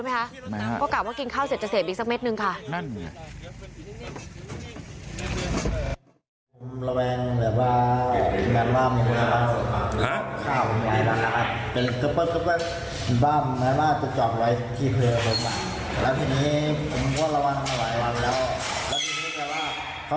ผมก็ไม่รู้เหมือนกันค่ะ